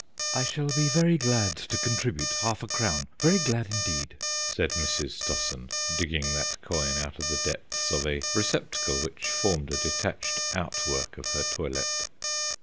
"I shall be very glad to contribute half a crown, very glad indeed," said Mrs. Stossen, digging that coin out of the depths of a receptacle which formed a detached outwork of her toilet.